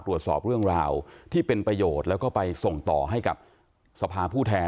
ตรวจสอบเรื่องราวที่เป็นประโยชน์แล้วก็ไปส่งต่อให้กับสภาผู้แทน